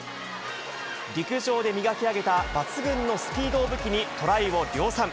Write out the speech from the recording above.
陸上で磨き上げた抜群のスピードを武器にトライを量産。